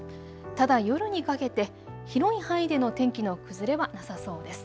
ただ夜にかけて広い範囲での天気の崩れはなさそうです。